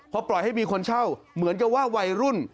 พอปล่อยให้มีคนเช่าเหมือนกับว่าวัยรุ่น